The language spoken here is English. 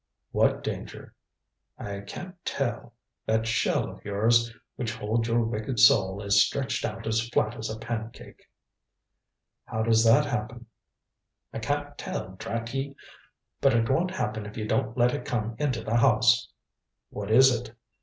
"What danger?" "I can't tell. That shell of yours which holds your wicked soul is stretched out as flat as a pancake." "How does that happen?" "I can't tell, drat ye! But it won't happen if you don't let It come into the house." "What is It?"